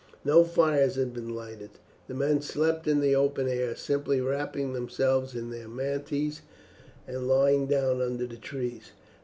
No fires had been lighted; the men slept in the open air, simply wrapping themselves in their mantles and lying down under the trees.